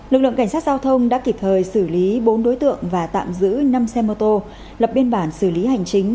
lực lượng cảnh sát giao thông đã kịp thời xử lý bốn đối tượng và tạm giữ năm xe mô tô lập biên bản xử lý hành chính